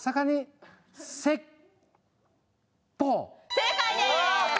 正解です！